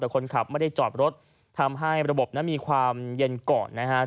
แต่คนขับไม่ได้จอดรถทำให้ระบบนั้นมีความเย็นก่อนนะครับ